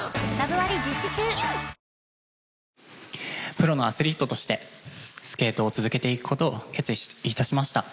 プロのアスリートとしてスケートを続けていく事を決意致しました。